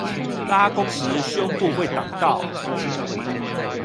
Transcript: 拉弓時胸部會擋到